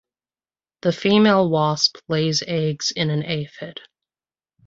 The female wasp lays eggs in an aphid.